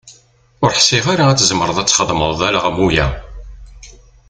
Ur ḥsiɣ ara ad tzemreḍ ad d-txedmeḍ alaɣmu-a.